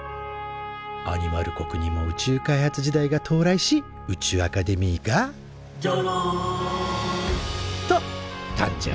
アニマル国にも宇宙開発時代が到来し宇宙アカデミーが「じゃらん」と誕生。